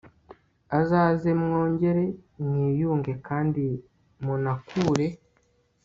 azaze mwongere mwiyunge kandi munakure